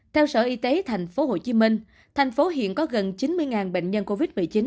theo sở y tế tp hcm thành phố hiện có gần chín mươi bệnh nhân covid một mươi chín